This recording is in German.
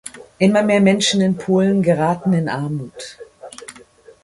Immer mehr Menschen in Polen geraten in Armut.